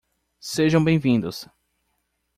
Sejam bem-vindos!